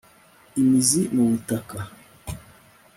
imizi mu butaka